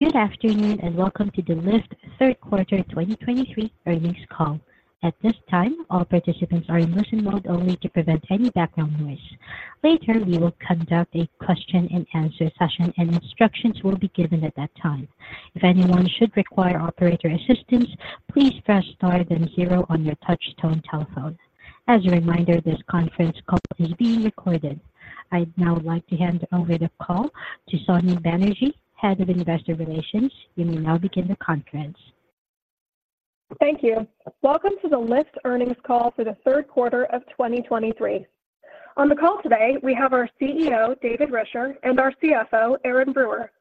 Good afternoon, and welcome to the Lyft Third Quarter 2023 earnings call. At this time, all participants are in listen mode only to prevent any background noise. Later, we will conduct a question-and-answer session, and instructions will be given at that time. If anyone should require operator assistance, please press star then zero on your touch-tone telephone. As a reminder, this conference call is being recorded. I'd now like to hand over the call to Sonya Banerjee, Head of Investor Relations. You may now begin the conference. Thank you. Welcome to the Lyft earnings call for the third quarter of 2023. On the call today, we have our CEO, David Risher, and our CFO, Erin Brewer.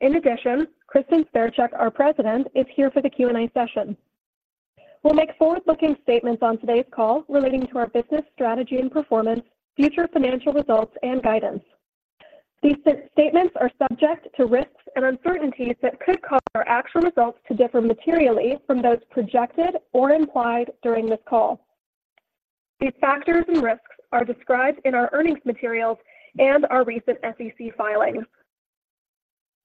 In addition, Kristin Sverchek, our president, is here for the Q&A session. We'll make forward-looking statements on today's call relating to our business strategy and performance, future financial results, and guidance. These statements are subject to risks and uncertainties that could cause our actual results to differ materially from those projected or implied during this call. These factors and risks are described in our earnings materials and our recent SEC filings.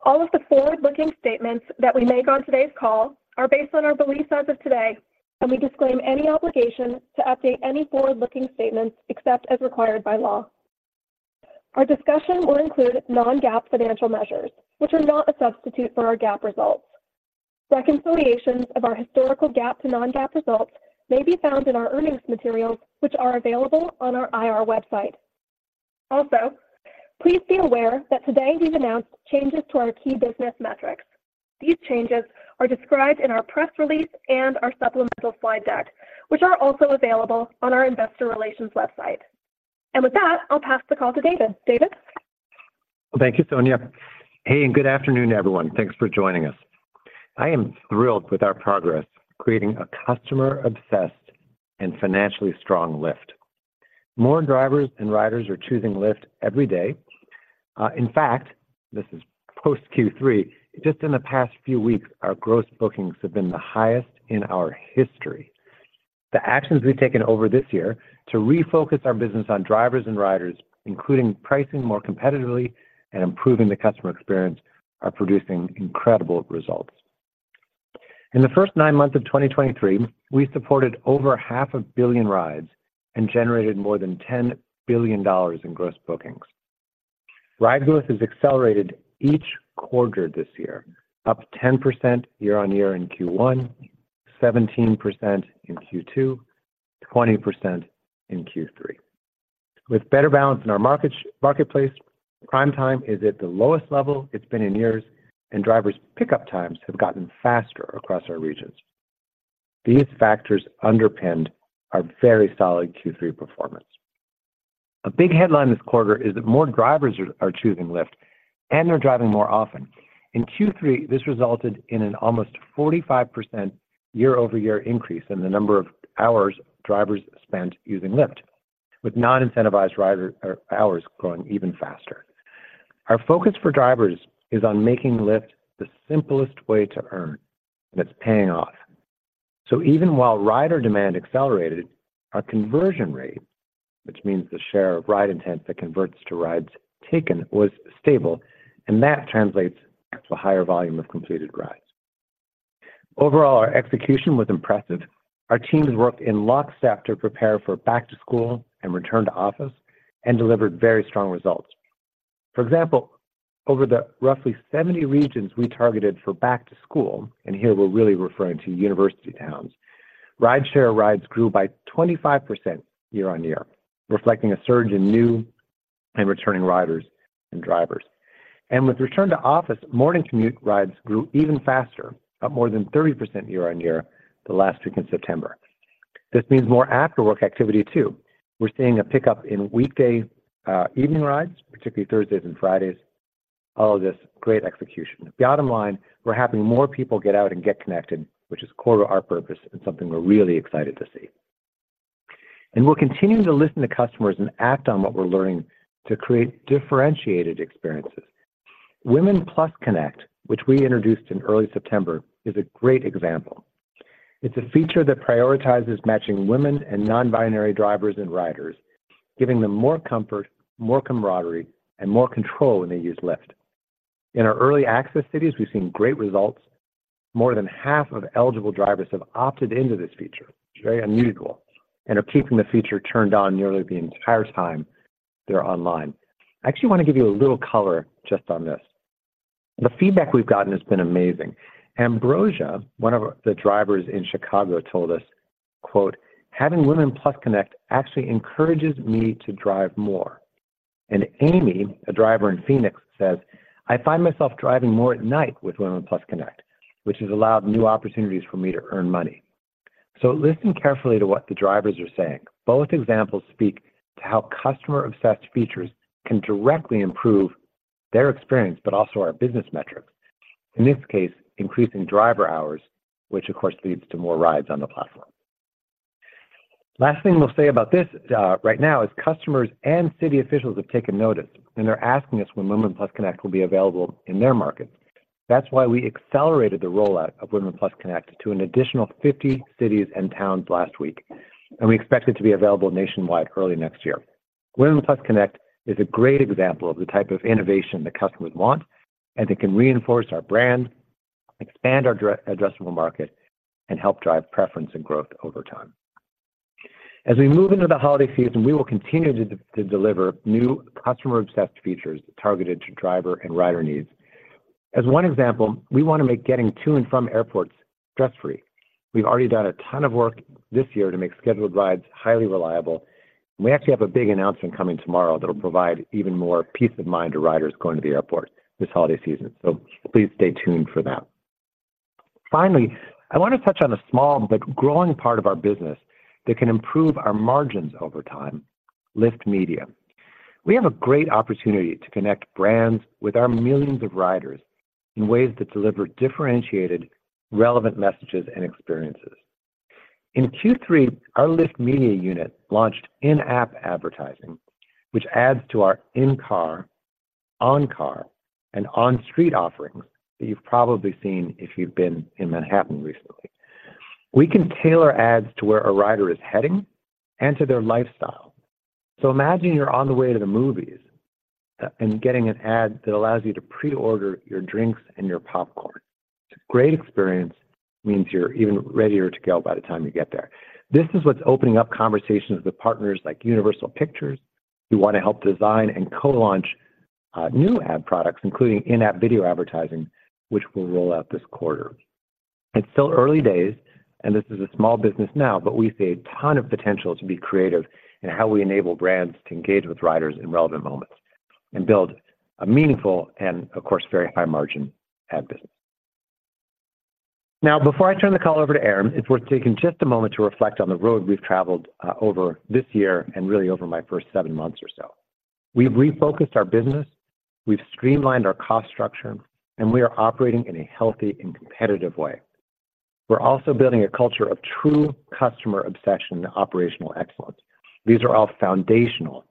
All of the forward-looking statements that we make on today's call are based on our beliefs as of today, and we disclaim any obligation to update any forward-looking statements except as required by law. Our discussion will include non-GAAP financial measures, which are not a substitute for our GAAP results. Reconciliations of our historical GAAP to non-GAAP results may be found in our earnings materials, which are available on our IR website. Also, please be aware that today we've announced changes to our key business metrics. These changes are described in our press release and our supplemental slide deck, which are also available on our investor relations website. With that, I'll pass the call to David. David? Well, thank you, Sonya. Hey, and good afternoon, everyone. Thanks for joining us. I am thrilled with our progress, creating a customer-obsessed and financially strong Lyft. More drivers and riders are choosing Lyft every day. In fact, this is post Q3, just in the past few weeks, our Gross Bookings have been the highest in our history. The actions we've taken over this year to refocus our business on drivers and riders, including pricing more competitively and improving the customer experience, are producing incredible results. In the first nine months of 2023, we supported over 500 million rides and generated more than $10 billion in Gross Bookings. Ride growth has accelerated each quarter this year, up 10% year-on-year in Q1, 17% in Q2, 20% in Q3. With better balance in our market, marketplace, Prime Time is at the lowest level it's been in years, and drivers' pickup times have gotten faster across our regions. These factors underpinned our very solid Q3 performance. A big headline this quarter is that more drivers are choosing Lyft, and they're driving more often. In Q3, this resulted in an almost 45% year-over-year increase in the number of hours drivers spent using Lyft, with non-incentivized hours growing even faster. Our focus for drivers is on making Lyft the simplest way to earn, and it's paying off. So even while rider demand accelerated, our conversion rate, which means the share of ride intent that converts to rides taken, was stable, and that translates to a higher volume of completed rides. Overall, our execution was impressive. Our teams worked in lockstep to prepare for back to school and return to office and delivered very strong results. For example, over the roughly 70 regions we targeted for back to school, and here we're really referring to university towns, rideshare rides grew by 25% year-on-year, reflecting a surge in new and returning riders and drivers. With return to office, morning commute rides grew even faster, up more than 30% year-on-year, the last week in September. This means more after-work activity, too. We're seeing a pickup in weekday evening rides, particularly Thursdays and Fridays. All of this, great execution. The bottom line, we're having more people get out and get connected, which is core to our purpose and something we're really excited to see. We're continuing to listen to customers and act on what we're learning to create differentiated experiences. Women+ Connect, which we introduced in early September, is a great example. It's a feature that prioritizes matching women and nonbinary drivers and riders, giving them more comfort, more camaraderie, and more control when they use Lyft. In our early access cities, we've seen great results. More than half of eligible drivers have opted into this feature, which is very unusual, and are keeping the feature turned on nearly the entire time they're online. I actually want to give you a little color just on this. The feedback we've gotten has been amazing. Ambrosia, one of the drivers in Chicago, told us, quote, "Having Women+ Connect actually encourages me to drive more." And Amy, a driver in Phoenix, says, "I find myself driving more at night with Women+ Connect, which has allowed new opportunities for me to earn money." So listen carefully to what the drivers are saying. Both examples speak to how customer-obsessed features can directly improve their experience, but also our business metrics. In this case, increasing driver hours, which of course, leads to more rides on the platform. Last thing we'll say about this, right now, is customers and city officials have taken notice, and they're asking us when Women+ Connect will be available in their markets. That's why we accelerated the rollout of Women+ Connect to an additional 50 cities and towns last week, and we expect it to be available nationwide early next year. Women+ Connect is a great example of the type of innovation that customers want, and that can reinforce our brand, expand our addressable market, and help drive preference and growth over time. As we move into the holiday season, we will continue to deliver new customer-obsessed features targeted to driver and rider needs. As one example, we want to make getting to and from airports stress-free. We've already done a ton of work this year to make Scheduled Rides highly reliable. We actually have a big announcement coming tomorrow that'll provide even more peace of mind to riders going to the airport this holiday season, so please stay tuned for that. Finally, I want to touch on a small but growing part of our business that can improve our margins over time: Lyft Media. We have a great opportunity to connect brands with our millions of riders in ways that deliver differentiated, relevant messages and experiences. In Q3, our Lyft Media unit launched in-app advertising, which adds to our in-car, on-car, and on-street offerings that you've probably seen if you've been in Manhattan recently. We can tailor ads to where a rider is heading and to their lifestyle. So imagine you're on the way to the movies, and getting an ad that allows you to pre-order your drinks and your popcorn. It's a great experience, means you're even readier to go by the time you get there. This is what's opening up conversations with partners like Universal Pictures, who want to help design and co-launch new ad products, including in-app video advertising, which we'll roll out this quarter. It's still early days, and this is a small business now, but we see a ton of potential to be creative in how we enable brands to engage with riders in relevant moments and build a meaningful and, of course, very high-margin ad business. Now, before I turn the call over to Erin, it's worth taking just a moment to reflect on the road we've traveled over this year and really over my first seven months or so. We've refocused our business, we've streamlined our cost structure, and we are operating in a healthy and competitive way. We're also building a culture of true customer obsession and operational excellence. These are all foundational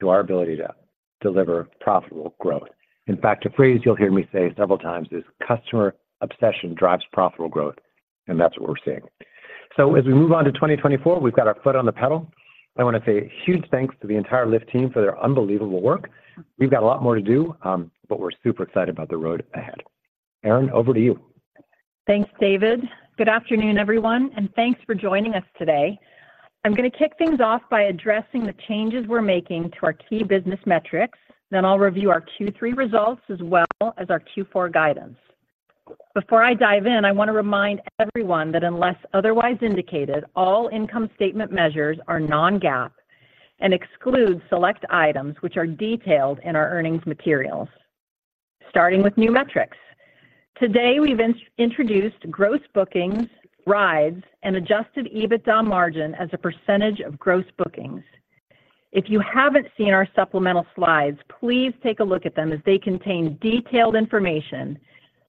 to our ability to deliver profitable growth. In fact, a phrase you'll hear me say several times is, "Customer obsession drives profitable growth," and that's what we're seeing. So as we move on to 2024, we've got our foot on the pedal. I want to say a huge thanks to the entire Lyft team for their unbelievable work. We've got a lot more to do, but we're super excited about the road ahead. Erin, over to you. Thanks, David. Good afternoon, everyone, and thanks for joining us today. I'm going to kick things off by addressing the changes we're making to our key business metrics. Then I'll review our Q3 results as well as our Q4 guidance. Before I dive in, I want to remind everyone that unless otherwise indicated, all income statement measures are non-GAAP and exclude select items which are detailed in our earnings materials. Starting with new metrics, today, we've introduced Gross Bookings, rides, and Adjusted EBITDA margin as a percentage of Gross Bookings. If you haven't seen our supplemental slides, please take a look at them, as they contain detailed information,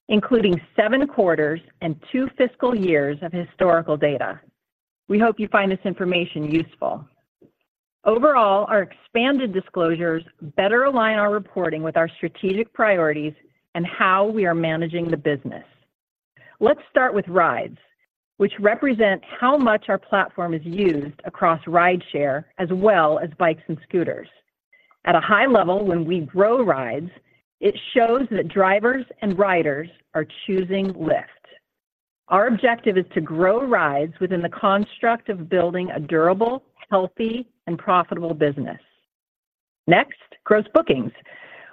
including seven quarters and two fiscal years of historical data. We hope you find this information useful. Overall, our expanded disclosures better align our reporting with our strategic priorities and how we are managing the business. Let's start with rides, which represent how much our platform is used across rideshare, as well as bikes and scooters. At a high level, when we grow rides, it shows that drivers and riders are choosing Lyft. Our objective is to grow rides within the construct of building a durable, healthy, and profitable business. Next, Gross Bookings,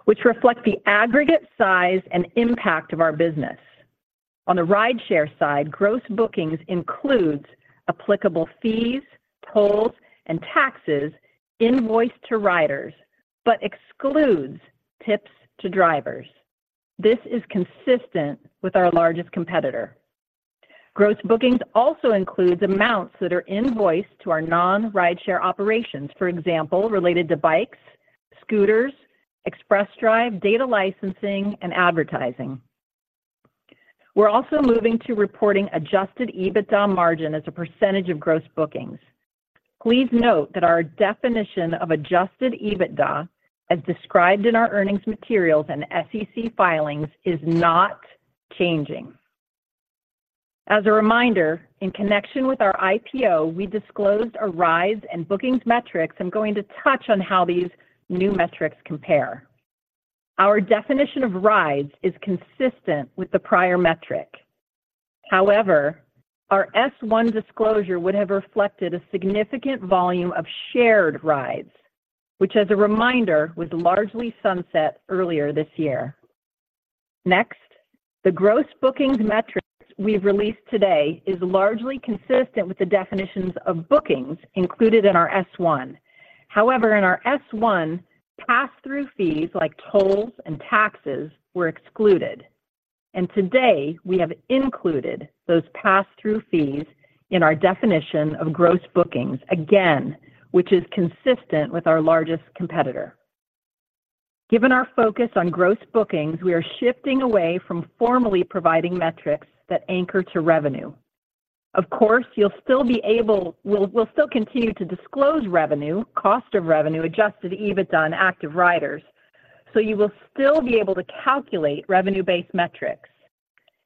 which reflect the aggregate size and impact of our business. On the rideshare side, Gross Bookings includes applicable fees, tolls, and taxes invoiced to riders, but excludes tips to drivers. This is consistent with our largest competitor. Gross Bookings also includes amounts that are invoiced to our non-rideshare operations, for example, related to bikes, scooters, Express Drive, data licensing, and advertising. We're also moving to reporting Adjusted EBITDA margin as a percentage of Gross Bookings. Please note that our definition of Adjusted EBITDA, as described in our earnings materials and SEC filings, is not changing. As a reminder, in connection with our IPO, we disclosed our rides and bookings metrics. I'm going to touch on how these new metrics compare. Our definition of rides is consistent with the prior metric. However, our S-1 disclosure would have reflected a significant volume of shared rides, which, as a reminder, was largely sunset earlier this year. Next, the Gross Bookings metrics we've released today is largely consistent with the definitions of bookings included in our S-1. However, in our S-1, pass-through fees like tolls and taxes were excluded, and today, we have included those pass-through fees in our definition of Gross Bookings, again, which is consistent with our largest competitor. Given our focus on Gross Bookings, we are shifting away from formally providing metrics that anchor to revenue. Of course, we'll still continue to disclose revenue, Cost of Revenue, Adjusted EBITDA, and Active Riders, so you will still be able to calculate revenue-based metrics.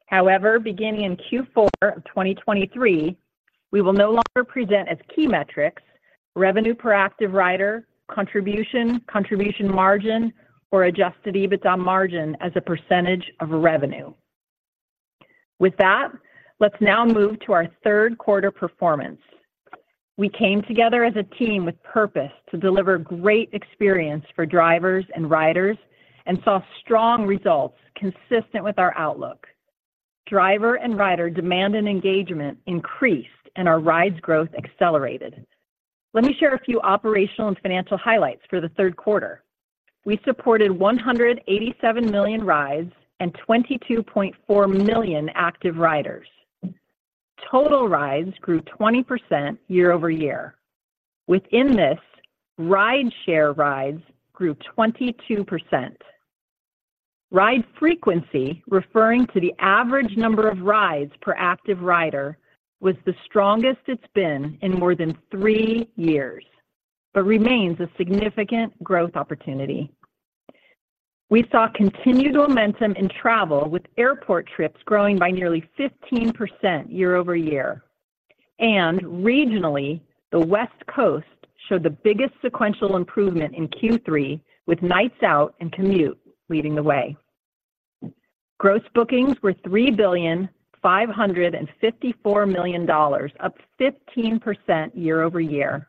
However, beginning in Q4 of 2023, we will no longer present as key metrics revenue per Active Rider, Contribution Margin, or Adjusted EBITDA Margin as a percentage of revenue. With that, let's now move to our third quarter performance. We came together as a team with purpose to deliver great experience for drivers and riders, and saw strong results consistent with our outlook. Driver and rider demand and engagement increased, and our rides growth accelerated. Let me share a few operational and financial highlights for the third quarter. We supported 187 million rides and 22.4 million Active Riders. Total rides grew 20% year-over-year. Within this, rideshare rides grew 22%. Ride frequency, referring to the average number of rides per Active Rider, was the strongest it's been in more than three years, but remains a significant growth opportunity. We saw continued momentum in travel, with airport trips growing by nearly 15% year-over-year. Regionally, the West Coast showed the biggest sequential improvement in Q3, with nights out and commute leading the way. Gross Bookings were $3.554 billion, up 15% year-over-year.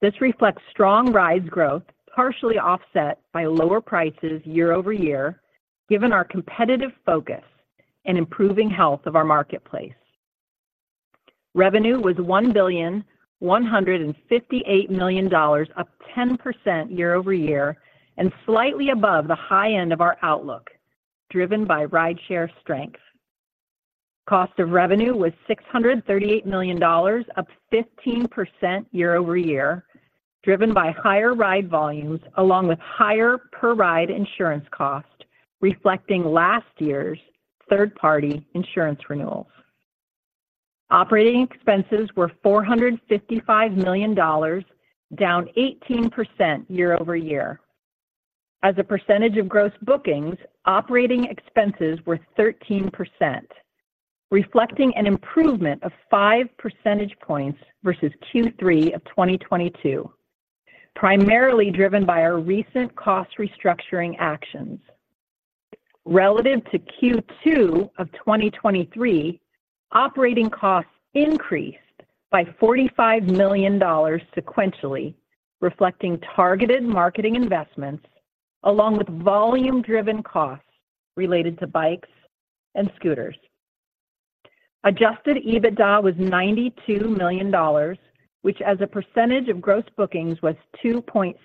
This reflects strong rides growth, partially offset by lower prices year-over-year, given our competitive focus and improving health of our marketplace. Revenue was $1.158 billion, up 10% year-over-year, and slightly above the high end of our outlook, driven by rideshare strength. Cost of revenue was $638 million, up 15% year-over-year, driven by higher ride volumes, along with higher per-ride insurance cost, reflecting last year's third-party insurance renewals. Operating expenses were $455 million, down 18% year-over-year. As a percentage of Gross Bookings, operating expenses were 13%, reflecting an improvement of five percentage points versus Q3 of 2022, primarily driven by our recent cost restructuring actions. Relative to Q2 of 2023, operating costs increased by $45 million sequentially, reflecting targeted marketing investments along with volume-driven costs related to bikes and scooters. Adjusted EBITDA was $92 million, which as a percentage of Gross Bookings, was 2.6%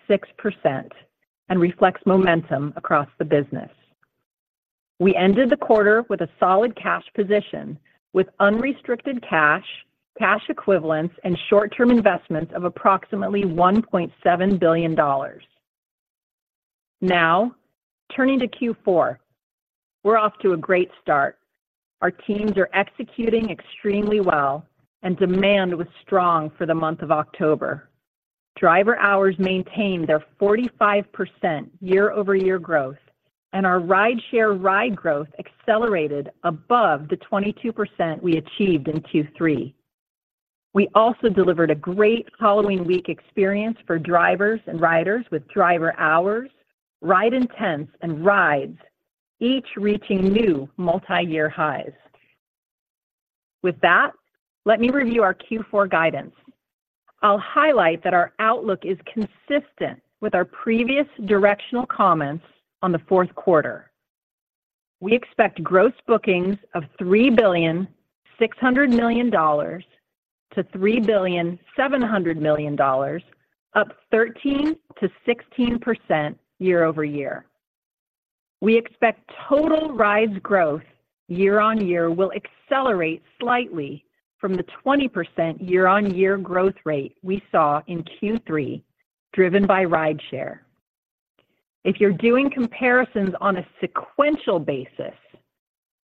and reflects momentum across the business. We ended the quarter with a solid cash position, with unrestricted cash, cash equivalents, and short-term investments of approximately $1.7 billion. Now, turning to Q4, we're off to a great start. Our teams are executing extremely well and demand was strong for the month of October. Driver hours maintained their 45% year-over-year growth, and our rideshare ride growth accelerated above the 22% we achieved in Q3. We also delivered a great Halloween week experience for drivers and riders with driver hours, ride intents, and rides, each reaching new multiyear highs. With that, let me review our Q4 guidance. I'll highlight that our outlook is consistent with our previous directional comments on the fourth quarter. We expect Gross Bookings of $3.6 billion-$3.7 billion, up 13%-16% year-over-year. We expect total rides growth year-over-year will accelerate slightly from the 20% year-over-year growth rate we saw in Q3, driven by rideshare. If you're doing comparisons on a sequential basis,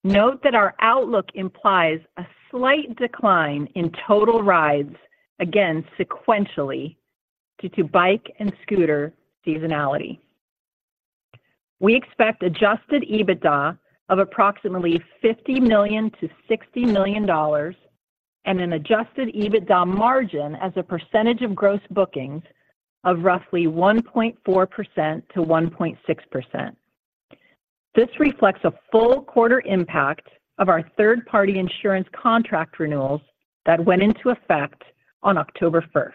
note that our outlook implies a slight decline in total rides, again, sequentially, due to bike and scooter seasonality. We expect Adjusted EBITDA of approximately $50 million-$60 million and an Adjusted EBITDA margin as a percentage of Gross Bookings of roughly 1.4%-1.6%. This reflects a full quarter impact of our third-party insurance contract renewals that went into effect on October 1.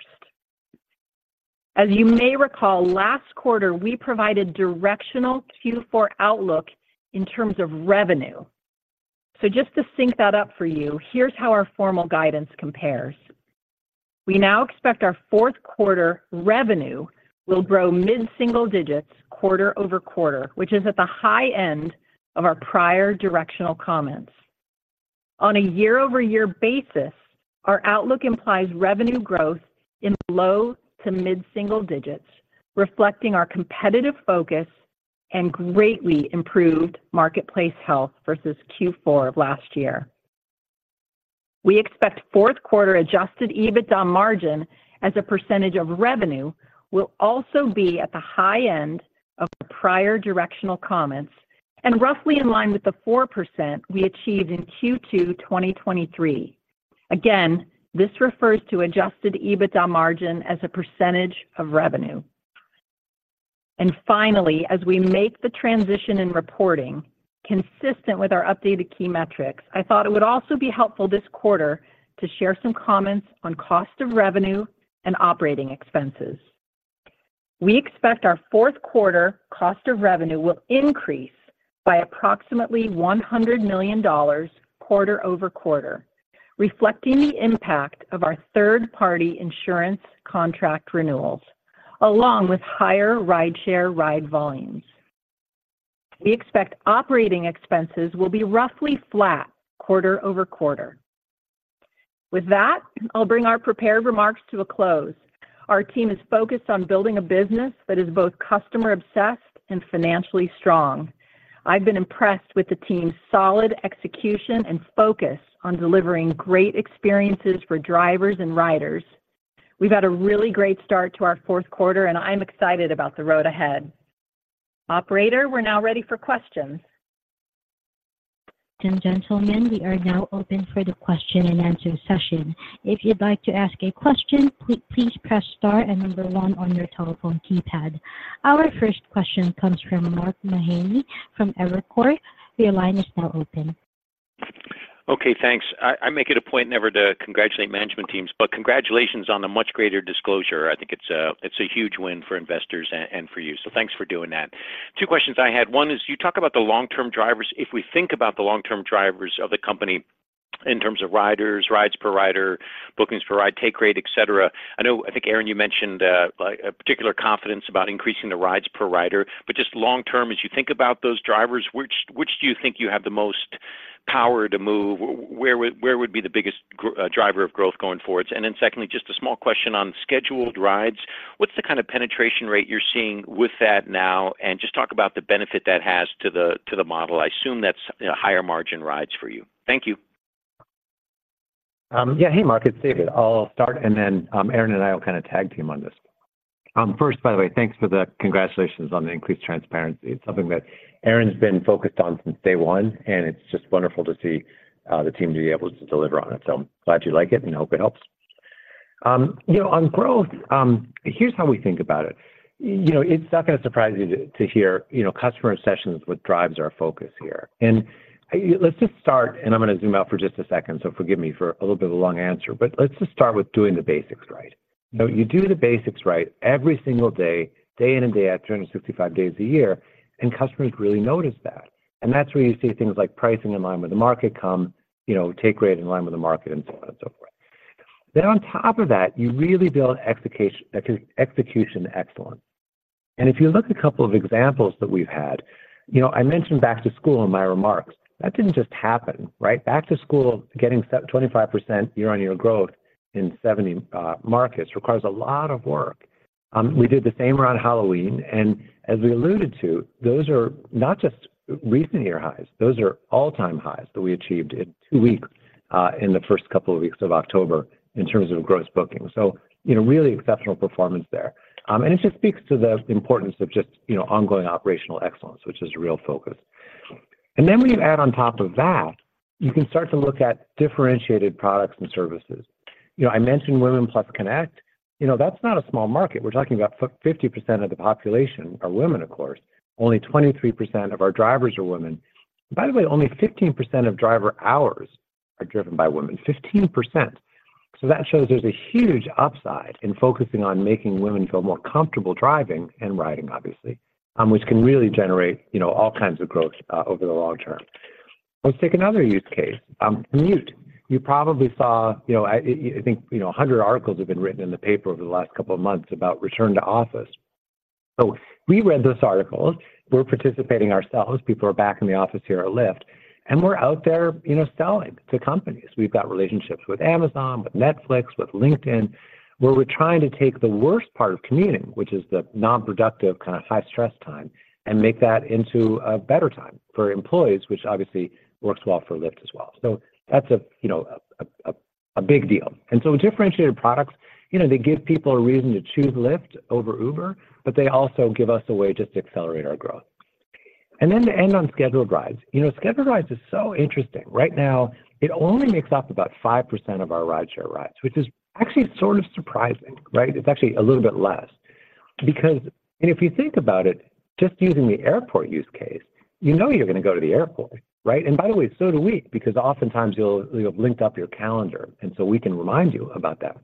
As you may recall, last quarter, we provided directional Q4 outlook in terms of revenue. So just to sync that up for you, here's how our formal guidance compares. We now expect our fourth quarter revenue will grow mid-single digits quarter-over-quarter, which is at the high end of our prior directional comments. On a year-over-year basis, our outlook implies revenue growth in low to mid-single digits, reflecting our competitive focus and greatly improved marketplace health versus Q4 of last year. We expect fourth quarter Adjusted EBITDA margin as a percentage of revenue will also be at the high end of prior directional comments and roughly in line with the 4% we achieved in Q2 2023. Again, this refers to Adjusted EBITDA margin as a percentage of revenue. And finally, as we make the transition in reporting, consistent with our updated key metrics, I thought it would also be helpful this quarter to share some comments on cost of revenue and operating expenses. We expect our fourth quarter cost of revenue will increase by approximately $100 million quarter-over-quarter, reflecting the impact of our third-party insurance contract renewals, along with higher rideshare ride volumes. We expect operating expenses will be roughly flat quarter-over-quarter. With that, I'll bring our prepared remarks to a close. Our team is focused on building a business that is both customer-obsessed and financially strong. I've been impressed with the team's solid execution and focus on delivering great experiences for drivers and riders. We've had a really great start to our fourth quarter, and I'm excited about the road ahead. Operator, we're now ready for questions. Ladies and gentlemen, we are now open for the question-and-answer session. If you'd like to ask a question, please press star and number 1 on your telephone keypad. Our first question comes from Mark Mahaney from Evercore. Your line is now open. Okay, thanks. I make it a point never to congratulate management teams, but congratulations on the much greater disclosure. I think it's a huge win for investors and for you, so thanks for doing that. Two questions I had. One is, you talk about the long-term drivers. If we think about the long-term drivers of the company in terms of riders, rides per rider, bookings per ride, take rate, et cetera, I know, I think, Erin, you mentioned a particular confidence about increasing the rides per rider. But just long term, as you think about those drivers, which do you think you have the most power to move? Where would be the biggest driver of growth going forward? And then secondly, just a small question on Scheduled Rides. What's the kind of penetration rate you're seeing with that now? Just talk about the benefit that has to the model. I assume that's, you know, higher margin rides for you. Thank you. Yeah. Hey, Mark, it's David. I'll start, and then Erin and I will kind of tag team on this. First, by the way, thanks for the congratulations on the increased transparency. It's something that Erin's been focused on since day one, and it's just wonderful to see the team to be able to deliver on it. So I'm glad you like it, and hope it helps. You know, on growth, here's how we think about it. You know, it's not going to surprise you to hear, you know, customer obsession is what drives our focus here. And, let's just start, and I'm going to zoom out for just a second, so forgive me for a little bit of a long answer, but let's just start with doing the basics right. So you do the basics right every single day, day in and day out, 365 days a year, and customers really notice that. And that's where you see things like pricing in line with the market come, you know, take rate in line with the market, and so on and so forth. Then on top of that, you really build executional excellence. And if you look at a couple of examples that we've had, you know, I mentioned back to school in my remarks. That didn't just happen, right? Back to school, getting 25% year-on-year growth in 70 markets requires a lot of work. We did the same around Halloween, and as we alluded to, those are not just recent year highs, those are all-time highs that we achieved in two weeks in the first couple of weeks of October in terms of Gross Bookings. So, you know, really exceptional performance there. And it just speaks to the importance of just, you know, ongoing operational excellence, which is a real focus. And then when you add on top of that, you can start to look at differentiated products and services. You know, I mentioned Women+ Connect. You know, that's not a small market. We're talking about 50% of the population are women, of course. Only 23% of our drivers are women. By the way, only 15% of driver hours are driven by women. 15%! So that shows there's a huge upside in focusing on making women feel more comfortable driving and riding, obviously, which can really generate, you know, all kinds of growth, over the long term. Let's take another use case, commute. You probably saw, you know, I think, you know, 100 articles have been written in the paper over the last couple of months about return to office. So we read those articles. We're participating ourselves. People are back in the office here at Lyft, and we're out there, you know, selling to companies. We've got relationships with Amazon, with Netflix, with LinkedIn, where we're trying to take the worst part of commuting, which is the non-productive, kind of high-stress time, and make that into a better time for employees, which obviously works well for Lyft as well. So that's, you know, a big deal. And so differentiated products, you know, they give people a reason to choose Lyft over Uber, but they also give us a way just to accelerate our growth. And then to end on Scheduled Rides. You know, Scheduled Rides is so interesting. Right now, it only makes up about 5% of our rideshare rides, which is actually sort of surprising, right? It's actually a little bit less. Because... And if you think about it, just using the airport use case, you know you're going to go to the airport, right? And by the way, so do we, because oftentimes you'll link up your calendar, and so we can remind you about that.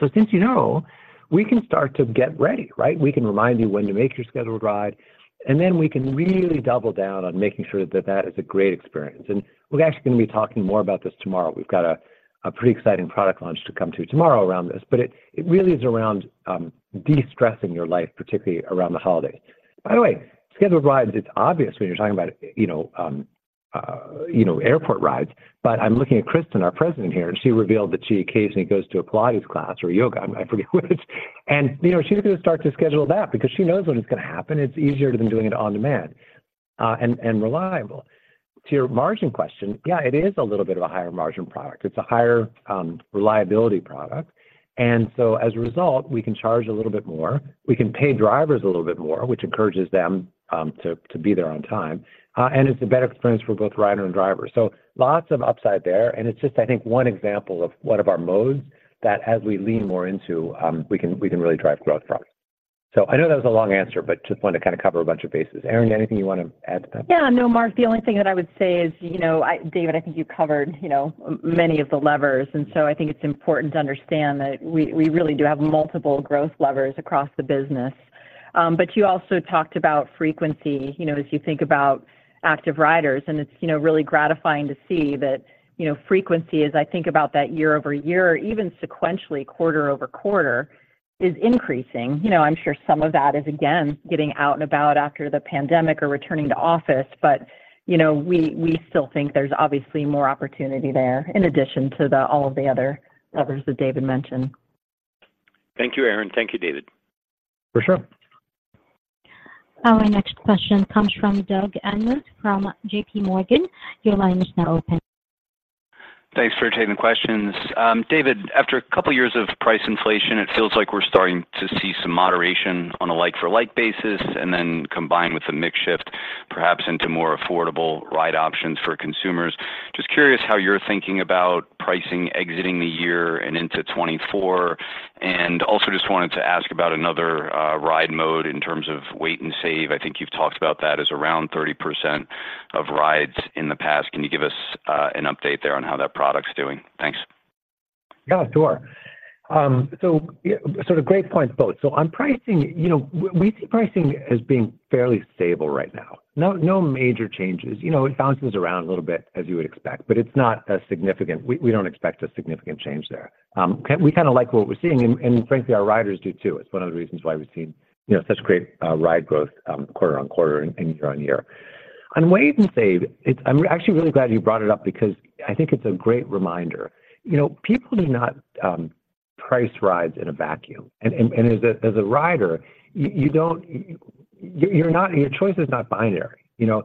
So since you know, we can start to get ready, right? We can remind you when to make your scheduled ride, and then we can really double down on making sure that that is a great experience. We're actually going to be talking more about this tomorrow. We've got a pretty exciting product launch to come to tomorrow around this, but it really is around de-stressing your life, particularly around the holidays. By the way, Scheduled Rides, it's obvious when you're talking about, you know, you know, airport rides, but I'm looking at Kristin, our President here, and she revealed that she occasionally goes to a Pilates class or yoga. I forget which. You know, she's going to start to schedule that because she knows when it's going to happen. It's easier than doing it on demand and reliable. To your margin question, yeah, it is a little bit of a higher margin product. It's a higher reliability product, and so as a result, we can charge a little bit more. We can pay drivers a little bit more, which encourages them to be there on time. And it's a better experience for both rider and driver. So lots of upside there, and it's just, I think, one example of one of our modes that as we lean more into, we can really drive growth from. So I know that was a long answer, but just wanted to kind of cover a bunch of bases. Erin, anything you want to add to that? Yeah, no, Mark, the only thing that I would say is, you know, David, I think you covered, you know, many of the levers, and so I think it's important to understand that we, we really do have multiple growth levers across the business. But you also talked about frequency, you know, as you think about Active Riders, and it's, you know, really gratifying to see that, you know, frequency, as I think about that year-over-year, or even sequentially, quarter-over-quarter, is increasing. You know, I'm sure some of that is, again, getting out and about after the pandemic or returning to office, but, you know, we, we still think there's obviously more opportunity there, in addition to all of the other levers that David mentioned. Thank you, Erin. Thank you, David. For sure. Our next question comes from Doug Anmuth, from JPMorgan. Your line is now open. Thanks for taking the questions. David, after a couple of years of price inflation, it feels like we're starting to see some moderation on a like-for-like basis, and then combined with the mix shift, perhaps into more affordable ride options for consumers. Just curious how you're thinking about pricing exiting the year and into 2024. Also just wanted to ask about another ride mode in terms of Wait & Save. I think you've talked about that as around 30% of rides in the past. Can you give us an update there on how that product's doing? Thanks. Yeah, sure. So great points both. So on pricing, you know, we see pricing as being fairly stable right now. No major changes. You know, it bounces around a little bit, as you would expect, but it's not a significant. We don't expect a significant change there. We kind of like what we're seeing, and frankly, our riders do, too. It's one of the reasons why we've seen, you know, such great ride growth quarter-over-quarter and year-over-year. On Wait & Save, it's. I'm actually really glad you brought it up because I think it's a great reminder. You know, people do not price rides in a vacuum. As a rider, your choice is not binary, you know?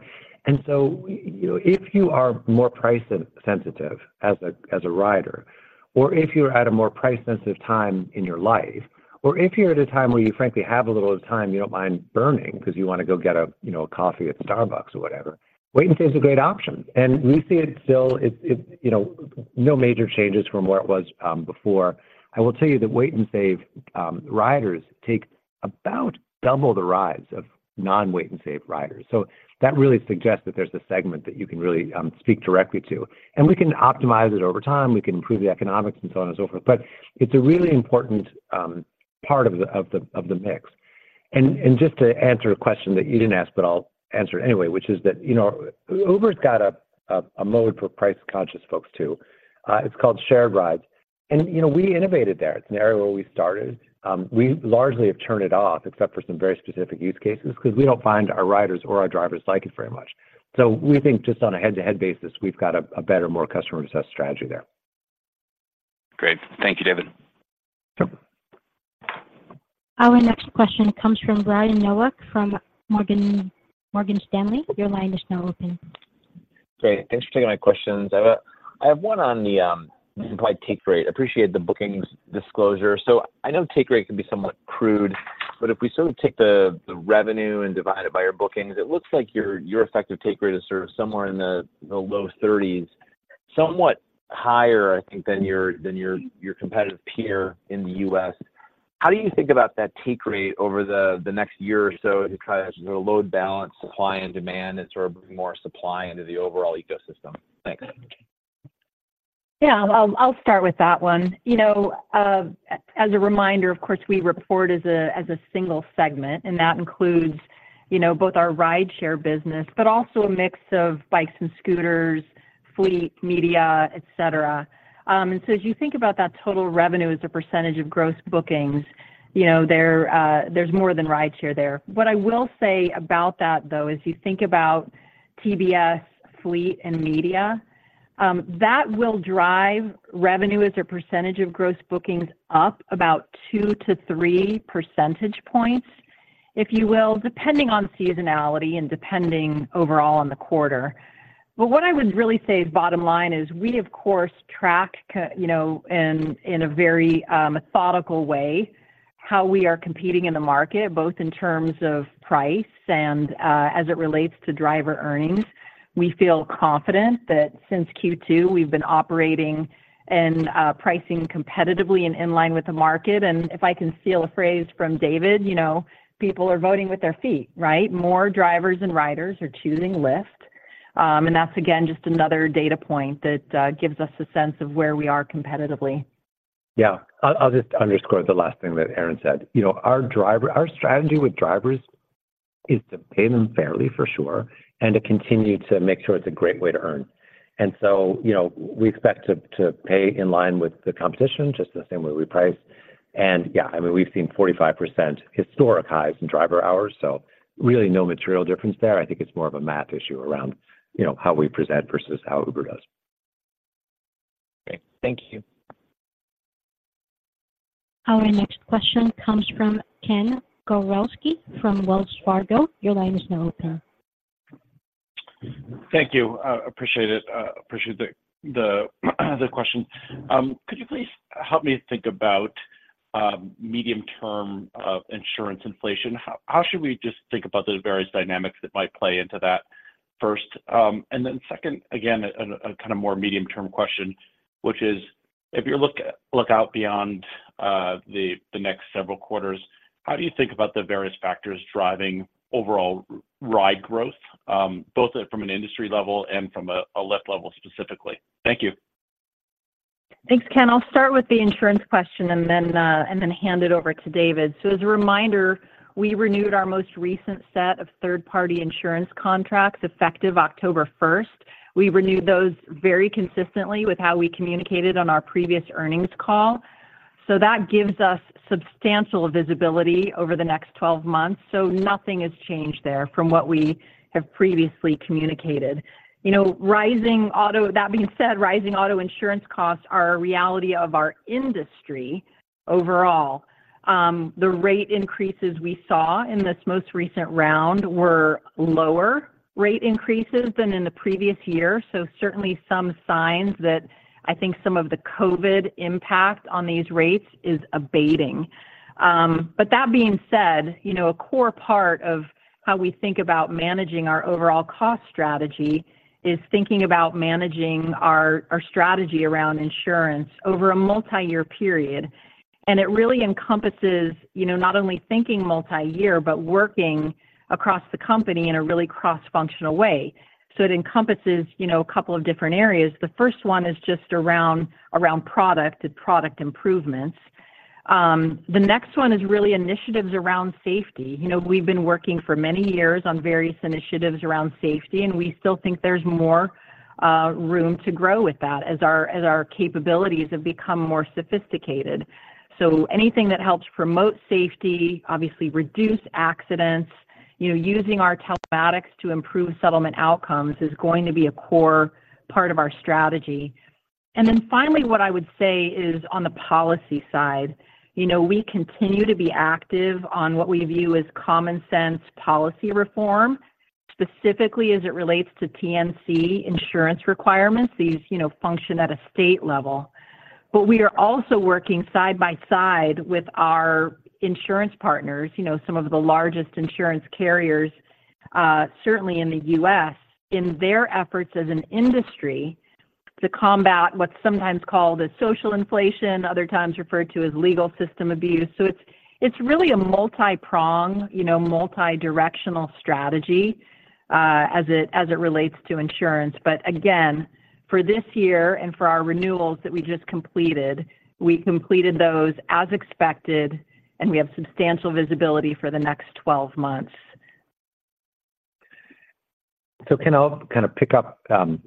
So, you know, if you are more price-sensitive as a rider, or if you're at a more price-sensitive time in your life, or if you're at a time where you frankly have a little time you don't mind burning because you want to go get a, you know, a coffee at Starbucks or whatever, Wait & Save is a great option. And we see it still, it's. You know, no major changes from where it was before. I will tell you that Wait & Save riders take about double the rides of non-Wait & Save riders. So that really suggests that there's a segment that you can really speak directly to. We can optimize it over time, we can improve the economics, and so on and so forth, but it's a really important part of the mix. And just to answer a question that you didn't ask, but I'll answer anyway, which is that, you know, Uber's got a mode for price-conscious folks, too. It's called Shared Rides, and, you know, we innovated there. It's an area where we started. We largely have turned it off, except for some very specific use cases, because we don't find our riders or our drivers like it very much. So we think just on a head-to-head basis, we've got a better, more customer-obsessed strategy there. Great. Thank you, David. Sure. Our next question comes from Brian Nowak from Morgan Stanley. Your line is now open. Great. Thanks for taking my questions. I, I have one on the, probably take rate. I appreciate the bookings disclosure. So I know take rate can be somewhat crude, but if we sort of take the, the revenue and divide it by your bookings, it looks like your, your effective take rate is sort of somewhere in the, the low 30s. Somewhat higher, I think, than your, than your, your competitive peer in the US. How do you think about that take rate over the, the next year or so to try to sort of load balance, supply and demand, and sort of bring more supply into the overall ecosystem? Thanks. Yeah, I'll, I'll start with that one. You know, as a reminder, of course, we report as a single segment, and that includes, you know, both our rideshare business, but also a mix of bikes and scooters, fleet, Media, et cetera. And so as you think about that total revenue as a percentage of Gross Bookings, you know, there, there's more than rideshare there. What I will say about that, though, as you think about TBS, fleet, and Media, that will drive revenue as a percentage of Gross Bookings up about 2-3 percentage points, if you will, depending on seasonality and depending overall on the quarter. But what I would really say, bottom line, is we, of course, track you know in a very methodical way, how we are competing in the market, both in terms of price and as it relates to driver earnings. We feel confident that since Q2, we've been operating and pricing competitively and in line with the market, and if I can steal a phrase from David, you know, people are voting with their feet, right? More drivers and riders are choosing Lyft, and that's again, just another data point that gives us a sense of where we are competitively. Yeah. I'll, I'll just underscore the last thing that Erin said. You know, our driver- our strategy with drivers is to pay them fairly, for sure, and to continue to make sure it's a great way to earn. And so, you know, we expect to, to pay in line with the competition, just the same way we price. And yeah, I mean, we've seen 45% historic highs in driver hours, so really no material difference there. I think it's more of a math issue around, you know, how we present versus how Uber does. Great. Thank you. Our next question comes from Ken Gawrelski from Wells Fargo. Your line is now open. Thank you. I appreciate it. I appreciate the question. Could you please help me think about medium-term insurance inflation? How should we just think about the various dynamics that might play into that first? And then second, again, a kind of more medium-term question, which is, if you look out beyond the next several quarters, how do you think about the various factors driving overall ride growth, both from an industry level and from a Lyft level specifically? Thank you. Thanks, Ken. I'll start with the insurance question and then hand it over to David. So as a reminder, we renewed our most recent set of third-party insurance contracts, effective October first. We renewed those very consistently with how we communicated on our previous earnings call. So that gives us substantial visibility over the next 12 months, so nothing has changed there from what we have previously communicated. You know, rising auto insurance costs are a reality of our industry overall. The rate increases we saw in this most recent round were lower rate increases than in the previous year. So certainly some signs that I think some of the COVID impact on these rates is abating. But that being said, you know, a core part of how we think about managing our overall cost strategy is thinking about managing our strategy around insurance over a multi-year period. And it really encompasses, you know, not only thinking multi-year, but working across the company in a really cross-functional way. So it encompasses, you know, a couple of different areas. The first one is just around product and product improvements. The next one is really initiatives around safety. You know, we've been working for many years on various initiatives around safety, and we still think there's more room to grow with that as our capabilities have become more sophisticated. So anything that helps promote safety, obviously reduce accidents, you know, using our telematics to improve settlement outcomes is going to be a core part of our strategy. Then finally, what I would say is on the policy side, you know, we continue to be active on what we view as common sense policy reform, specifically as it relates to TNC insurance requirements. These, you know, function at a state level. But we are also working side by side with our insurance partners, you know, some of the largest insurance carriers, certainly in the U.S., in their efforts as an industry to combat what's sometimes called a social inflation, other times referred to as legal system abuse. So it's really a multiprong, you know, multidirectional strategy, as it relates to insurance. But again, for this year and for our renewals that we just completed, we completed those as expected, and we have substantial visibility for the next 12 months. So Ken, I'll kind of pick up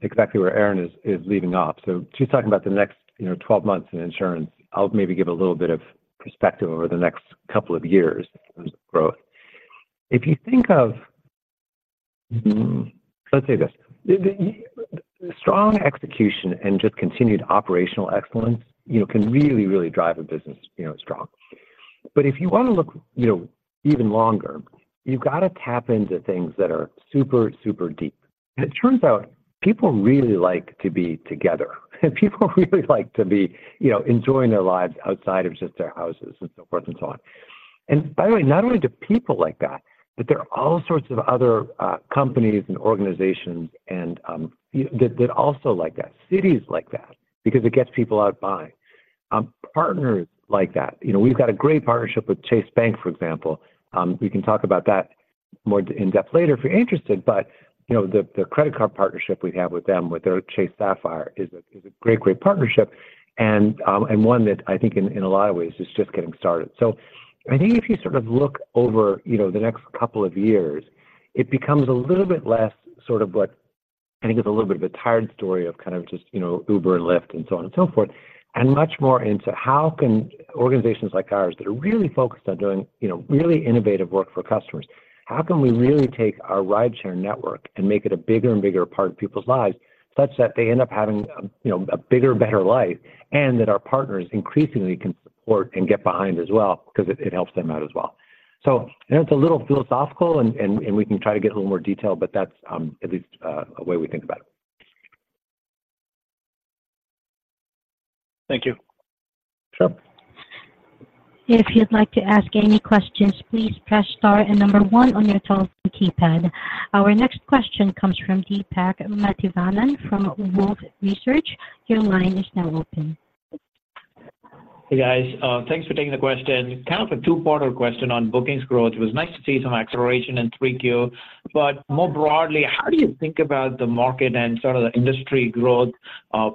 exactly where Erin is leaving off. So she's talking about the next, you know, 12 months in insurance. I'll maybe give a little bit of perspective over the next couple of years in terms of growth. If you think of, mm-hmm, let's say this, the strong execution and just continued operational excellence, you know, can really, really drive a business, you know, strong. But if you want to look, you know, even longer, you've got to tap into things that are super, super deep. It turns out people really like to be together, and people really like to be, you know, enjoying their lives outside of just their houses and so forth and so on. And by the way, not only do people like that, but there are all sorts of other companies and organizations and that also like that. Cities like that because it gets people out buying. Partners like that. You know, we've got a great partnership with Chase Bank, for example. We can talk about that more in-depth later, if you're interested. But you know, the credit card partnership we have with them, with their Chase Sapphire, is a great partnership and one that I think in a lot of ways is just getting started. So I think if you sort of look over, you know, the next couple of years, it becomes a little bit less sort of what I think is a little bit of a tired story of kind of just, you know, Uber and Lyft and so on and so forth, and much more into how can organizations like ours that are really focused on doing, you know, really innovative work for customers. How can we really take our rideshare network and make it a bigger and bigger part of people's lives, such that they end up having a, you know, a bigger, better life, and that our partners increasingly can support and get behind as well because it, it helps them out as well? So that's a little philosophical, and we can try to get a little more detail, but that's at least a way we think about it. Thank you. Sure. If you'd like to ask any questions, please press Star and number one on your telephone keypad. Our next question comes from Deepak Mathivanan from Wolfe Research. Your line is now open. Hey, guys, thanks for taking the question. Kind of a two-parter question on bookings growth. It was nice to see some acceleration in 3Q, but more broadly, how do you think about the market and sort of the industry growth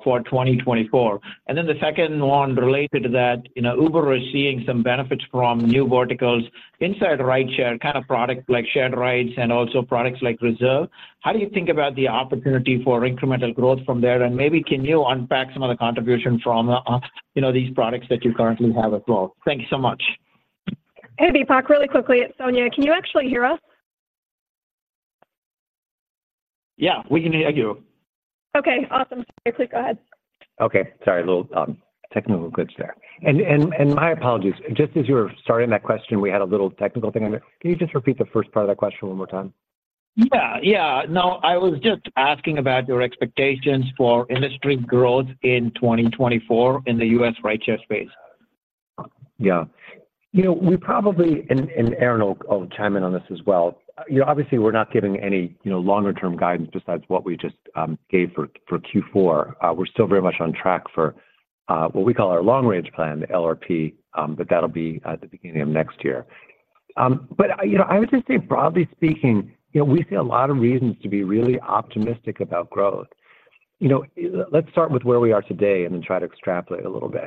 for 2024? And then the second one related to that, you know, Uber is seeing some benefits from new verticals inside rideshare, kind of product like Shared Rides and also products like Reserve. How do you think about the opportunity for incremental growth from there? And maybe can you unpack some of the contribution from, you know, these products that you currently have as well? Thank you so much. Hey, Deepak, really quickly, it's Sonya. Can you actually hear us?... Yeah, we can hear you. Okay, awesome. Please go ahead. Okay, sorry, a little technical glitch there. And my apologies, just as you were starting that question, we had a little technical thing on it. Can you just repeat the first part of that question one more time? Yeah, yeah. No, I was just asking about your expectations for industry growth in 2024 in the U.S. rideshare space. Yeah. You know, we probably, and Erin will chime in on this as well. You know, obviously, we're not giving any, you know, longer term guidance besides what we just gave for Q4. We're still very much on track for what we call our long-range plan, the LRP, but that'll be at the beginning of next year. But, you know, I would just say, broadly speaking, you know, we see a lot of reasons to be really optimistic about growth. You know, let's start with where we are today and then try to extrapolate a little bit.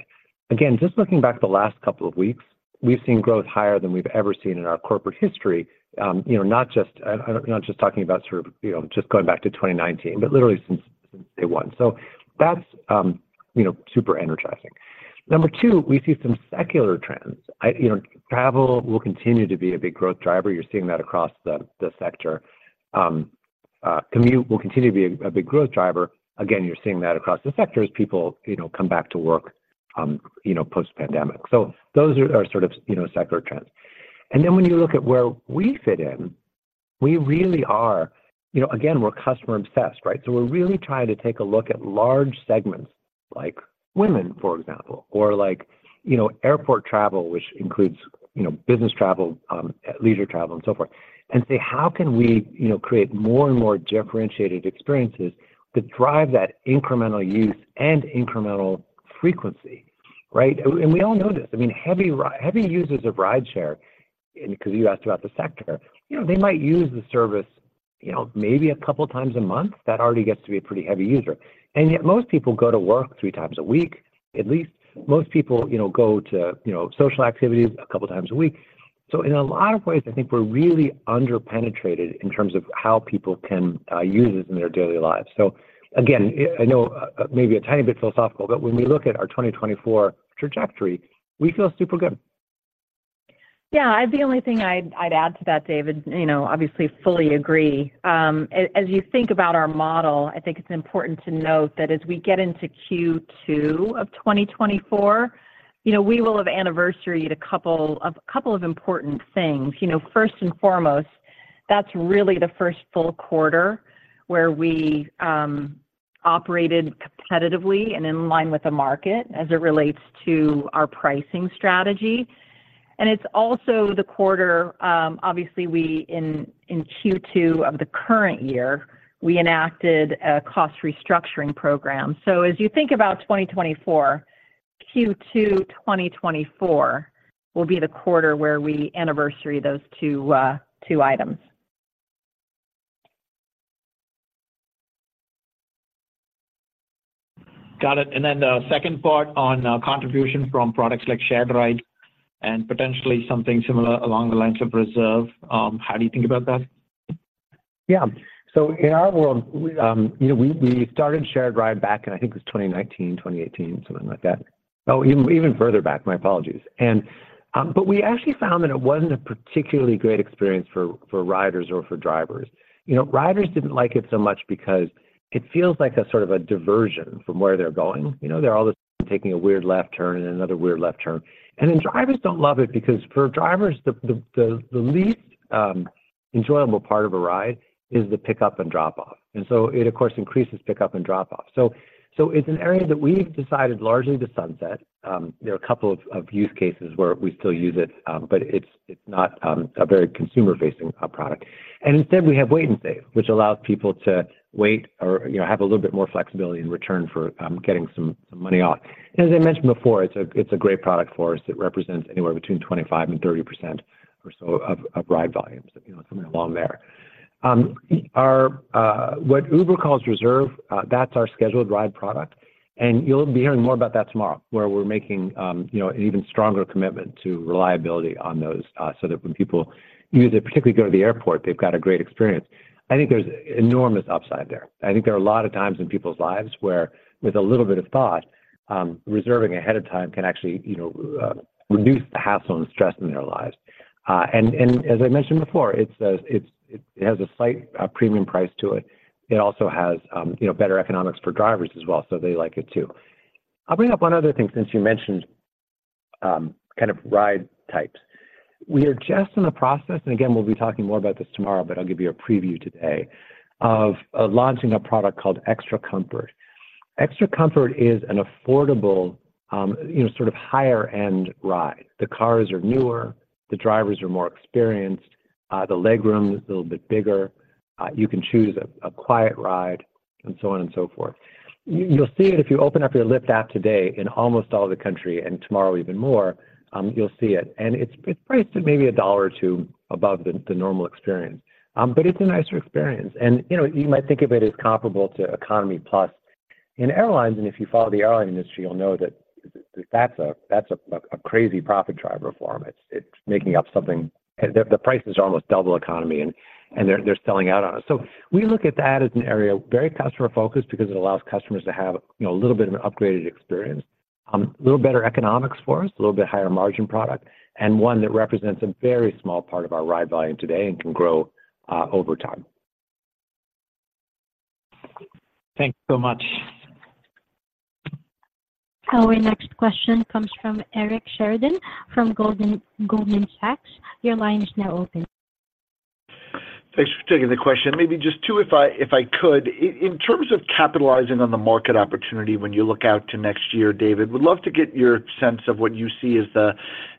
Again, just looking back the last couple of weeks, we've seen growth higher than we've ever seen in our corporate history, you know, not just—not just talking about sort of, you know, just going back to 2019, but literally since day one. So that's, you know, super energizing. Number two, we see some secular trends. You know, travel will continue to be a big growth driver. You're seeing that across the sector. Commute will continue to be a big growth driver. Again, you're seeing that across the sector as people, you know, come back to work, you know, post-pandemic. So those are sort of, you know, secular trends. And then when you look at where we fit in, we really are... You know, again, we're customer obsessed, right? So we're really trying to take a look at large segments like women, for example, or like, you know, airport travel, which includes, you know, business travel, leisure travel, and so forth, and say, how can we, you know, create more and more differentiated experiences to drive that incremental use and incremental frequency, right? And, and we all know this. I mean, heavy users of rideshare, and because you asked about the sector, you know, they might use the service, you know, maybe a couple times a month. That already gets to be a pretty heavy user. And yet most people go to work three times a week, at least. Most people, you know, go to, you know, social activities a couple times a week. So in a lot of ways, I think we're really underpenetrated in terms of how people can use this in their daily lives. So again, I know maybe a tiny bit philosophical, but when we look at our 2024 trajectory, we feel super good. Yeah, the only thing I'd add to that, David, you know, obviously fully agree. As you think about our model, I think it's important to note that as we get into Q2 of 2024, you know, we will have anniversaried a couple of important things. You know, first and foremost, that's really the first full quarter where we operated competitively and in line with the market as it relates to our pricing strategy. And it's also the quarter, obviously, in Q2 of the current year, we enacted a cost restructuring program. So as you think about 2024, Q2 2024 will be the quarter where we anniversary those two items. Got it. And then the second part on contribution from products like Shared Ride and potentially something similar along the lines of Reserve, how do you think about that? Yeah. So in our world, you know, we started Shared Rides back in, I think it was 2019, 2018, something like that. Oh, even further back, my apologies. But we actually found that it wasn't a particularly great experience for riders or for drivers. You know, riders didn't like it so much because it feels like a sort of a diversion from where they're going. You know, they're all of a sudden taking a weird left turn and another weird left turn. And then drivers don't love it because for drivers, the least enjoyable part of a ride is the pickup and drop-off, and so it, of course, increases pickup and drop-off. So it's an area that we've decided largely to sunset. There are a couple of use cases where we still use it, but it's not a very consumer-facing product. And instead, we have Wait & Save, which allows people to wait or, you know, have a little bit more flexibility in return for getting some money off. As I mentioned before, it's a great product for us. It represents anywhere between 25%-30% or so of ride volumes, you know, something along there. Our what Uber calls Reserve, that's our scheduled ride product, and you'll be hearing more about that tomorrow, where we're making, you know, an even stronger commitment to reliability on those, so that when people use it, particularly go to the airport, they've got a great experience. I think there's enormous upside there. I think there are a lot of times in people's lives where, with a little bit of thought, reserving ahead of time can actually, you know, reduce the hassle and stress in their lives. And as I mentioned before, it's. It has a slight premium price to it. It also has, you know, better economics for drivers as well, so they like it, too. I'll bring up one other thing, since you mentioned kind of ride types. We are just in the process, and again, we'll be talking more about this tomorrow, but I'll give you a preview today, of launching a product called Extra Comfort. Extra Comfort is an affordable, you know, sort of higher-end ride. The cars are newer, the drivers are more experienced, the legroom is a little bit bigger, you can choose a quiet ride, and so on and so forth. You'll see it if you open up your Lyft app today in almost all of the country, and tomorrow, even more, you'll see it, and it's priced at maybe $1 or $2 above the normal experience. But it's a nicer experience, and, you know, you might think of it as comparable to economy plus in airlines, and if you follow the airline industry, you'll know that, that's a crazy profit driver for them. It's making up something... The prices are almost double economy, and they're selling out on it. So we look at that as an area, very customer-focused because it allows customers to have, you know, a little bit of an upgraded experience. A little better economics for us, a little bit higher margin product, and one that represents a very small part of our ride volume today and can grow over time. Thanks so much. Our next question comes from Eric Sheridan from Goldman, Goldman Sachs. Your line is now open. Thanks for taking the question. Maybe just two if I could. In terms of capitalizing on the market opportunity when you look out to next year, David, would love to get your sense of what you see as the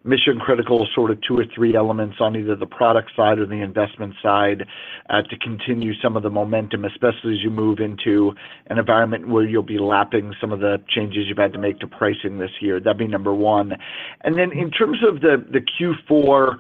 mission-critical, sort of two or three elements on either the product side or the investment side, to continue some of the momentum, especially as you move into an environment where you'll be lapping some of the changes you've had to make to pricing this year. That'd be number one. And then in terms of the Q4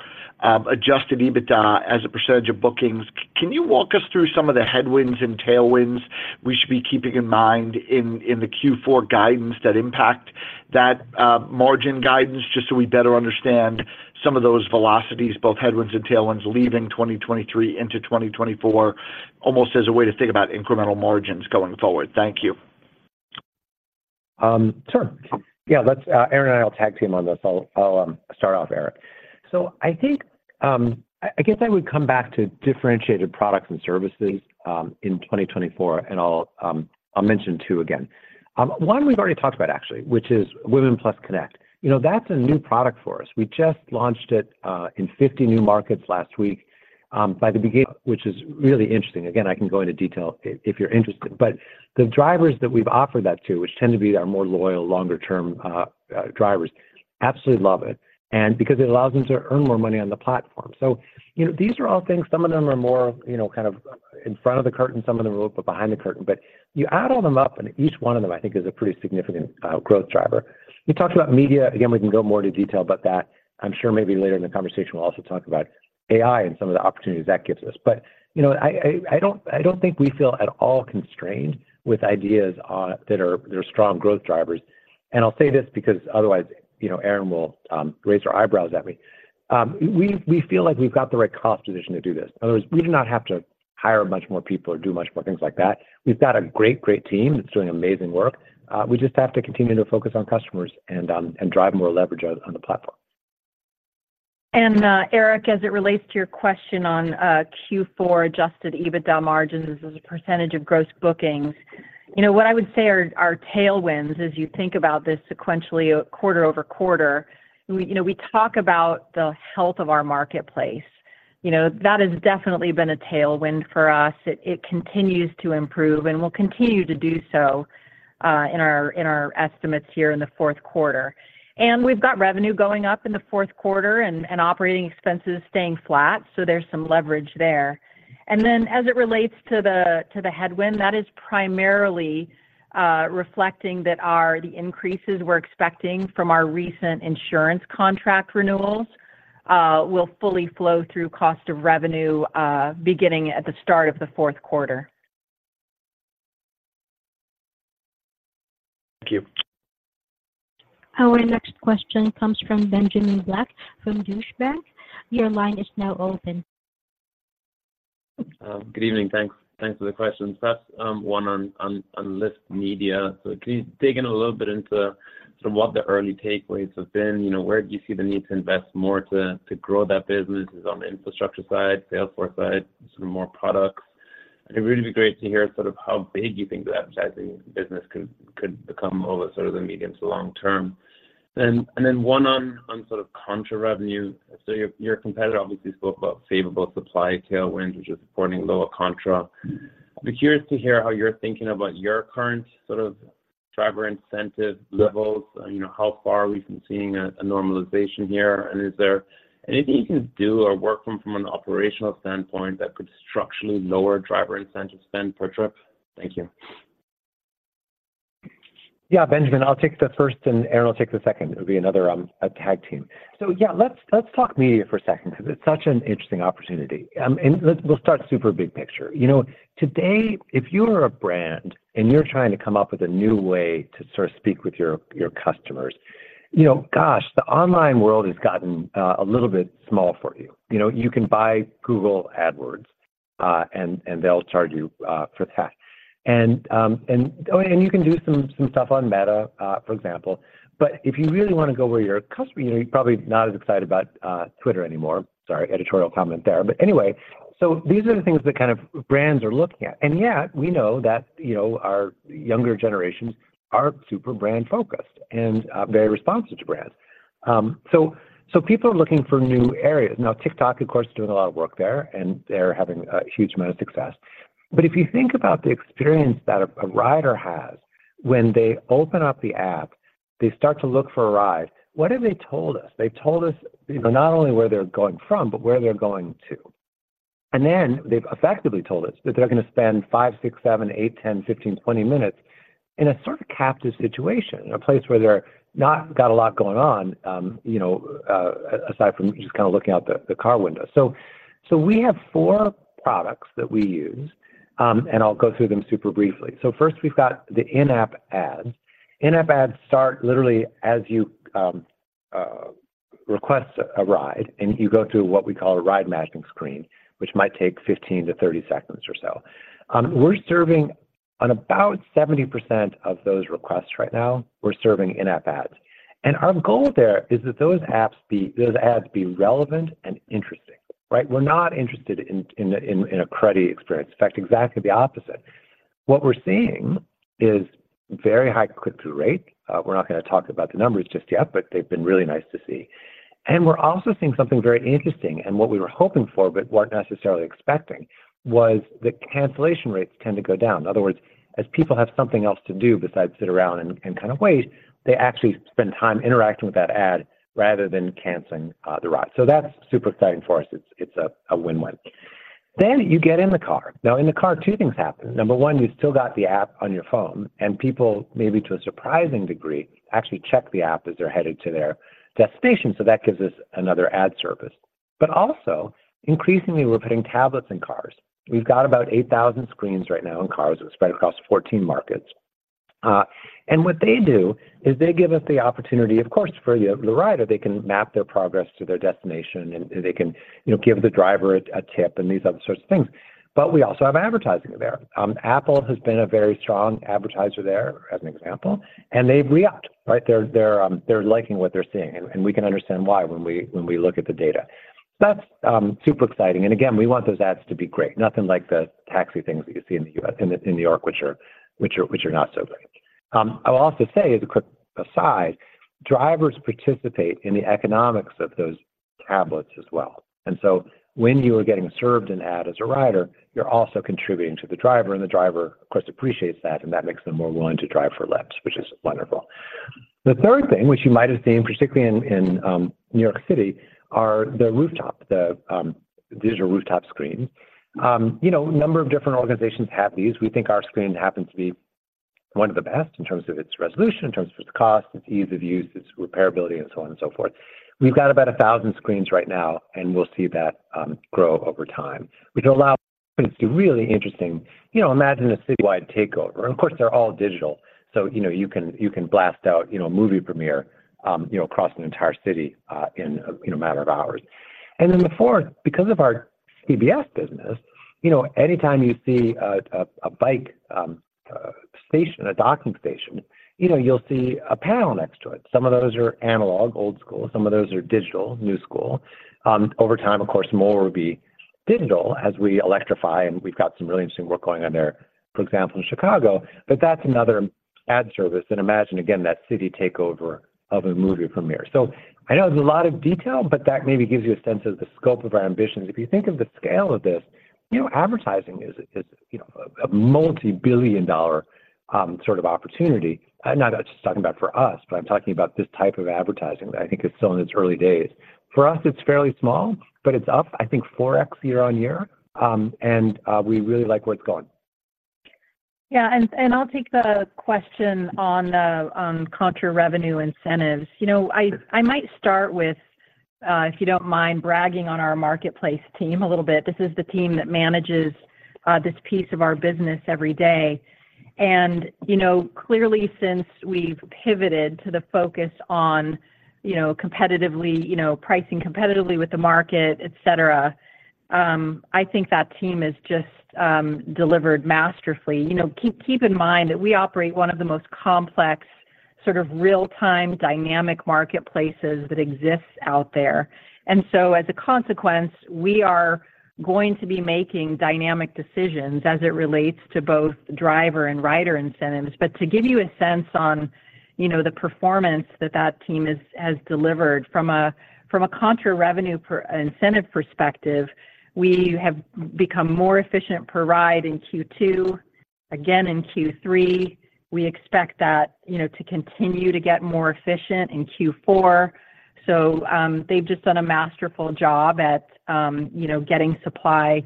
adjusted EBITDA as a percentage of bookings, can you walk us through some of the headwinds and tailwinds we should be keeping in mind in the Q4 guidance that impact that margin guidance, just so we better understand some of those velocities, both headwinds and tailwinds, leaving 2023 into 2024, almost as a way to think about incremental margins going forward? Thank you. Sure. Yeah, let's, Erin and I will tag team on this. I'll start off, Erin. So I think, I guess I would come back to differentiated products and services, in 2024, and I'll mention two again. One we've already talked about, actually, which is Women+ Connect. You know, that's a new product for us. We just launched it, in 50 new markets last week, by the beginning, which is really interesting. Again, I can go into detail if you're interested, but the drivers that we've offered that to, which tend to be our more loyal, longer term, drivers, absolutely love it, and because it allows them to earn more money on the platform. So, you know, these are all things some of them are more, you know, kind of in front of the curtain, some of them are a little bit behind the curtain. But you add all them up, and each one of them, I think, is a pretty significant growth driver. We talked about Media. Again, we can go more into detail about that. I'm sure maybe later in the conversation, we'll also talk about AI and some of the opportunities that gives us. But, you know, I don't think we feel at all constrained with ideas that are—they're strong growth drivers. And I'll say this because otherwise, you know, Erin will raise her eyebrows at me. We feel like we've got the right cost position to do this. In other words, we do not have to hire much more people or do much more things like that. We've got a great, great team that's doing amazing work. We just have to continue to focus on customers and drive more leverage on the platform. Eric, as it relates to your question on Q4 Adjusted EBITDA margins as a percentage of Gross Bookings, you know, what I would say are tailwinds as you think about this sequentially quarter-over-quarter. We, you know, we talk about the health of our marketplace. You know, that has definitely been a tailwind for us. It continues to improve and will continue to do so in our estimates here in the fourth quarter. And we've got revenue going up in the fourth quarter and operating expenses staying flat, so there's some leverage there. And then, as it relates to the headwind, that is primarily reflecting that our the increases we're expecting from our recent insurance contract renewals will fully flow through cost of revenue beginning at the start of the fourth quarter. Thank you. Our next question comes from Benjamin Black from Deutsche Bank. Your line is now open. Good evening. Thanks. Thanks for the question. First, one on Lyft Media. So can you dig in a little bit into sort of what the early takeaways have been? You know, where do you see the need to invest more to grow that business? Is on the infrastructure side, sales force side, sort of more products? It'd really be great to hear sort of how big you think the advertising business could become over sort of the medium to long term. Then one on sort of contra revenue. So your competitor obviously spoke about favorable supply tailwinds, which are supporting lower contra. I'd be curious to hear how you're thinking about your current sort of driver incentive levels, and, you know, how far are we from seeing a normalization here? Is there anything you can do or work from, from an operational standpoint that could structurally lower driver incentive spend per trip? Thank you. Yeah, Benjamin, I'll take the first, and Erin will take the second. It'll be another a tag team. So yeah, let's talk Media for a second because it's such an interesting opportunity. And we'll start super big picture. You know, today, if you are a brand and you're trying to come up with a new way to sort of speak with your customers, you know, gosh, the online world has gotten a little bit small for you. You know, you can buy Google AdWords, and they'll charge you for that. And you can do some stuff on Meta, for example. But if you really want to go where your customers, you know, you're probably not as excited about Twitter anymore. Sorry, editorial comment there. But anyway, so these are the things that kind of brands are looking at. And yet, we know that, you know, our younger generations are super brand-focused and very responsive to brands. So people are looking for new areas. Now, TikTok, of course, is doing a lot of work there, and they're having a huge amount of success. But if you think about the experience that a rider has when they open up the app, they start to look for a ride. What have they told us? They've told us, you know, not only where they're going from, but where they're going to. And then, they've effectively told us that they're going to spend 5, 6, 7, 8, 10, 15, 20 minutes in a sort of captive situation, a place where they're not got a lot going on, you know, aside from just kind of looking out the, the car window. So we have four products that we use, and I'll go through them super briefly. So first, we've got the in-app ads. In-app ads start literally as you request a, a ride, and you go through what we call a ride-matching screen, which might take 15 to 30 seconds or so. We're serving on about 70% of those requests right now, we're serving in-app ads. And our goal there is that those ads be relevant and interesting, right? We're not interested in, in the, in, in a cruddy experience. In fact, exactly the opposite. What we're seeing is very high click-through rate. We're not gonna talk about the numbers just yet, but they've been really nice to see. And we're also seeing something very interesting and what we were hoping for, but weren't necessarily expecting, was the cancellation rates tend to go down. In other words, as people have something else to do besides sit around and kind of wait, they actually spend time interacting with that ad rather than canceling the ride. So that's super exciting for us. It's a win-win. Then you get in the car. Now, in the car, two things happen. Number one, you've still got the app on your phone, and people, maybe to a surprising degree, actually check the app as they're headed to their destination, so that gives us another ad service. But also, increasingly, we're putting tablets in cars. We've got about 8,000 screens right now in cars spread across 14 markets. And what they do is they give us the opportunity, of course, for the rider, they can map their progress to their destination, and they can, you know, give the driver a tip and these other sorts of things. But we also have advertising there. Apple has been a very strong advertiser there, as an example, and they've re-upped, right? They're liking what they're seeing, and we can understand why when we look at the data. So that's super exciting. And again, we want those ads to be great. Nothing like the taxi things that you see in the U.S., in New York, which are not so great. I will also say, as a quick aside, drivers participate in the economics of those tablets as well. And so when you are getting served an ad as a rider, you're also contributing to the driver, and the driver, of course, appreciates that, and that makes them more willing to drive for Lyft, which is wonderful. The third thing, which you might have seen, particularly in New York City, are the rooftop digital rooftop screens. You know, a number of different organizations have these. We think our screen happens to be one of the best in terms of its resolution, in terms of its cost, its ease of use, its repairability, and so on and so forth. We've got about 1,000 screens right now, and we'll see that grow over time, which allow us to do really interesting... You know, imagine a citywide takeover. Of course, they're all digital, so, you know, you can blast out, you know, a movie premiere, you know, across an entire city in a matter of hours. Then the fourth, because of our PBSC business, you know, anytime you see a bike station, a docking station, you know, you'll see a panel next to it. Some of those are analog, old school, some of those are digital, new school. Over time, of course, more will be digital as we electrify, and we've got some really interesting work going on there, for example, in Chicago. That's another ad service, and imagine, again, that city takeover of a movie premiere. I know there's a lot of detail, but that maybe gives you a sense of the scope of our ambitions. If you think of the scale of this, you know, advertising is, you know, a multibillion-dollar sort of opportunity. Not just talking about for us, but I'm talking about this type of advertising that I think is still in its early days. For us, it's fairly small, but it's up, I think, 4x year-over-year, and we really like where it's going. Yeah, I'll take the question on the contra revenue incentives. You know, I might start with, if you don't mind, bragging on our marketplace team a little bit. This is the team that manages this piece of our business every day. And, you know, clearly since we've pivoted to the focus on, you know, competitively, you know, pricing competitively with the market, et cetera, I think that team has just delivered masterfully. You know, keep in mind that we operate one of the most complex, sort of real-time dynamic marketplaces that exists out there. And so as a consequence, we are going to be making dynamic decisions as it relates to both driver and rider incentives. But to give you a sense on, you know, the performance that that team has delivered from a contra revenue per incentive perspective, we have become more efficient per ride in Q2. Again, in Q3, we expect that, you know, to continue to get more efficient in Q4. So, they've just done a masterful job at, you know, getting supply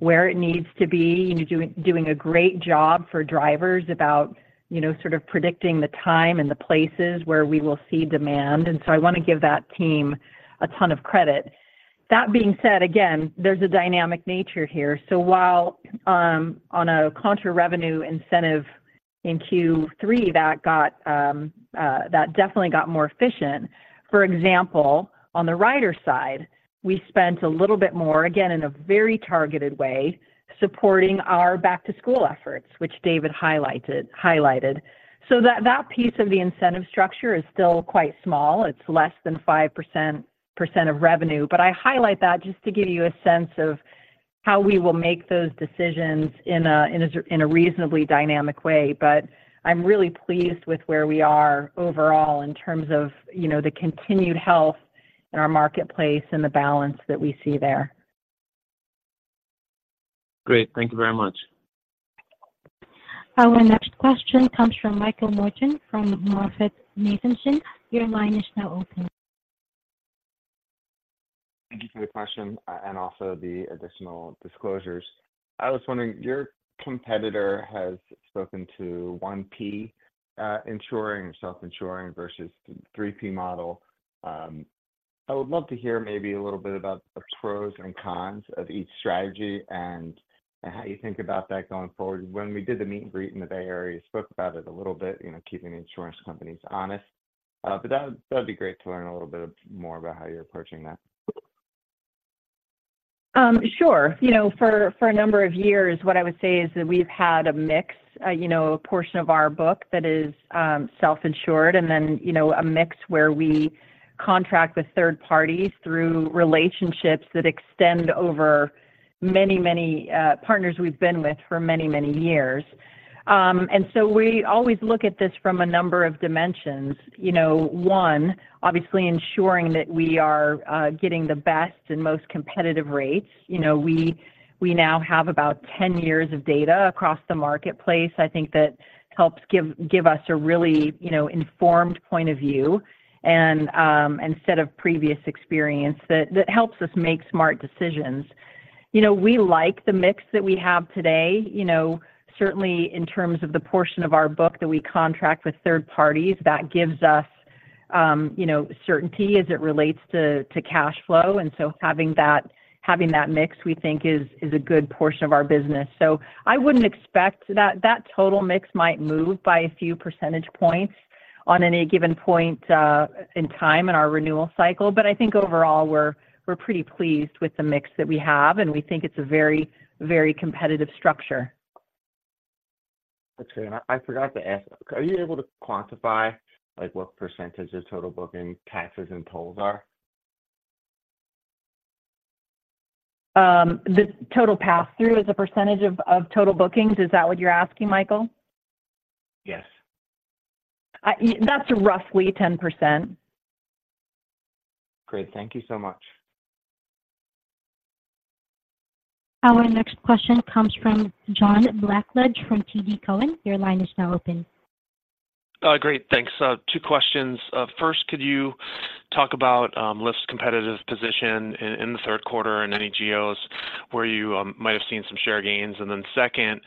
where it needs to be, and doing a great job for drivers about, you know, sort of predicting the time and the places where we will see demand. And so I want to give that team a ton of credit. That being said, again, there's a dynamic nature here. So while, on a contra revenue incentive in Q3, that got, that definitely got more efficient. For example, on the rider side, we spent a little bit more, again, in a very targeted way, supporting our back-to-school efforts, which David highlighted. So that piece of the incentive structure is still quite small. It's less than 5% of revenue. But I highlight that just to give you a sense of how we will make those decisions in a reasonably dynamic way. But I'm really pleased with where we are overall in terms of, you know, the continued health in our marketplace and the balance that we see there. Great. Thank you very much. Our next question comes from Michael Morton, from MoffettNathanson. Your line is now open. Thank you for the question, and also the additional disclosures. I was wondering, your competitor has spoken to 1P insuring and self-insuring versus the 3P model. I would love to hear maybe a little bit about the pros and cons of each strategy and, and how you think about that going forward. When we did the meet and greet in the Bay Area, you spoke about it a little bit, you know, keeping the insurance companies honest. But that would, that'd be great to learn a little bit more about how you're approaching that. ... Sure. You know, for a number of years, what I would say is that we've had a mixed, you know, portion of our book that is self-insured, and then, you know, a mix where we contract with third parties through relationships that extend over many, many partners we've been with for many, many years. And so we always look at this from a number of dimensions. You know, one, obviously ensuring that we are getting the best and most competitive rates. You know, we now have about 10 years of data across the marketplace. I think that helps give us a really, you know, informed point of view, and set of previous experience that helps us make smart decisions. You know, we like the mix that we have today, you know, certainly in terms of the portion of our book that we contract with third parties, that gives us, you know, certainty as it relates to, to cash flow, and so having that, having that mix, we think is, is a good portion of our business. So I wouldn't expect... That, that total mix might move by a few percentage points on any given point, in time in our renewal cycle. But I think overall, we're, we're pretty pleased with the mix that we have, and we think it's a very, very competitive structure. Okay, and I forgot to ask, are you able to quantify, like, what percentage of total booking taxes and tolls are? The total pass-through as a percentage of total bookings, is that what you're asking, Michael? Yes. That's roughly 10%. Great. Thank you so much. Our next question comes from John Blackledge from TD Cowen. Your line is now open. Great, thanks. Two questions. First, could you talk about Lyft's competitive position in the third quarter and any geos where you might have seen some share gains? And then second,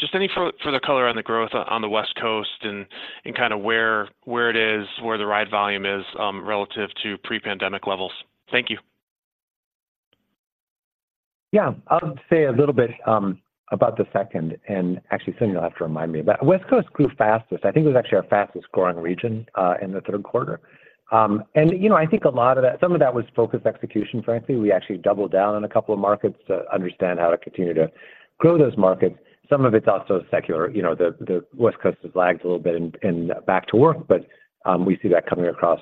just any further color on the growth on the West Coast and kind of where, where it is, where the ride volume is relative to pre-pandemic levels. Thank you. Yeah. I'll say a little bit about the second, and actually, Sonya, you'll have to remind me. But West Coast grew fastest. I think it was actually our fastest-growing region in the third quarter. And, you know, I think a lot of that some of that was focused execution, frankly. We actually doubled down on a couple of markets to understand how to continue to grow those markets. Some of it's also secular. You know, the West Coast has lagged a little bit in back to work, but we see that coming across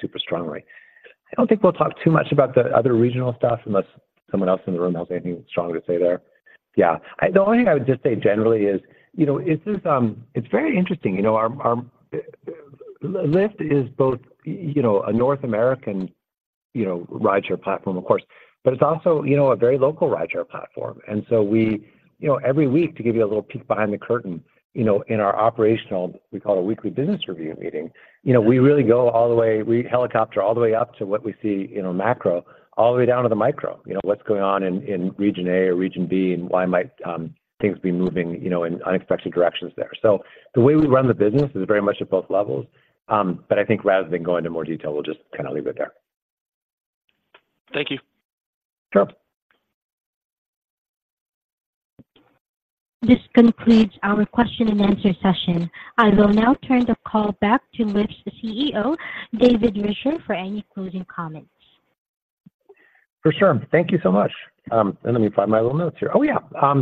super strongly. I don't think we'll talk too much about the other regional stuff, unless someone else in the room has anything strong to say there. Yeah, the only thing I would just say generally is, you know, it's just, it's very interesting, you know, our Lyft is both, you know, a North American, you know, rideshare platform, of course, but it's also, you know, a very local rideshare platform. So we, you know, every week, to give you a little peek behind the curtain, you know, in our operational, we call it a weekly business review meeting, you know, we really go all the way we helicopter all the way up to what we see, you know, macro, all the way down to the micro. You know, what's going on in region A or region B, and why might things be moving, you know, in unexpected directions there? So the way we run the business is very much at both levels. I think rather than go into more detail, we'll just kind of leave it there. Thank you. Sure. This concludes our question and answer session. I will now turn the call back to Lyft's CEO, David Risher, for any closing comments. For sure. Thank you so much. Let me find my little notes here. Oh, yeah.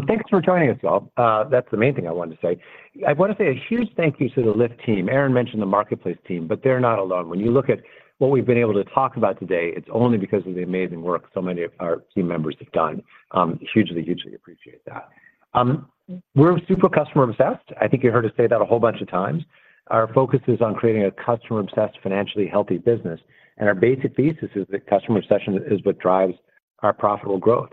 Thanks for joining us all. That's the main thing I wanted to say. I want to say a huge thank you to the Lyft team. Erin mentioned the marketplace team, but they're not alone. When you look at what we've been able to talk about today, it's only because of the amazing work so many of our team members have done. Hugely, hugely appreciate that. We're super customer-obsessed. I think you heard us say that a whole bunch of times. Our focus is on creating a customer-obsessed, financially healthy business, and our basic thesis is that customer obsession is what drives our profitable growth.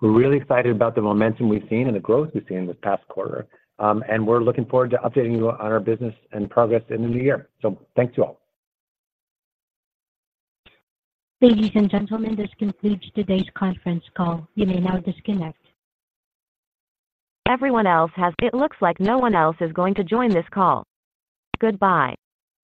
We're really excited about the momentum we've seen and the growth we've seen this past quarter, and we're looking forward to updating you on our business and progress in the new year. Thanks, you all. Ladies and gentlemen, this concludes today's conference call. You may now disconnect. Everyone else. It looks like no one else is going to join this call. Goodbye.